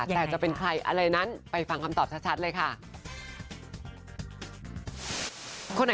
แต่จะเป็นใครอะไรนั้นไปฟังคำตอบชัดเลยค่ะ